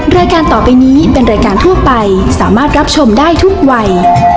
รายการต่อไปนี้เป็นรายการทั่วไปสามารถรับชมได้ทุกวัย